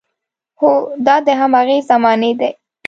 هو، دا د هماغې زمانې دی.